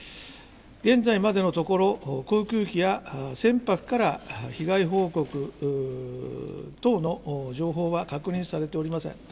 現在までのところ、航空機や船舶から被害報告等の情報は確認されておりません。